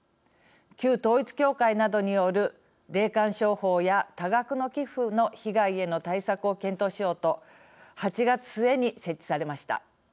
旧統一教会などによる霊感商法や多額の寄付の被害への対策を検討しようと８月末に設置されました。